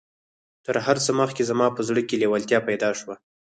تر هر څه مخکې زما په زړه کې لېوالتيا پيدا شوه.